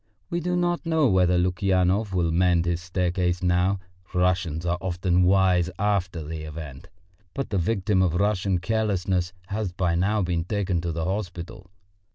We do not know whether Lukyanov will mend his staircase now, Russians are often wise after the event, but the victim of Russian carelessness has by now been taken to the hospital.